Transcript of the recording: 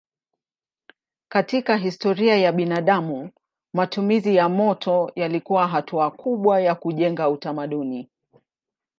Katika historia ya binadamu matumizi ya moto yalikuwa hatua kubwa ya kujenga utamaduni.